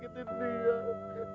gue tuh cinta banget sama dia